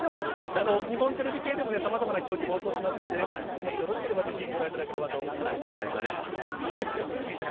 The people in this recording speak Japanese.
古市さん、日本テレビ系でもさまざまな競技、放送しますんで、もしよろしければ、ぜひご覧いただければと思います。